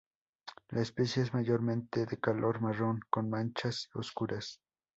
La especie es mayormente de color marrón con manchas oscuras.